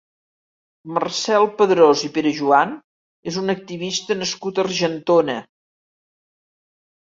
Marcel Padrós i Perejoan és un activista nascut a Argentona.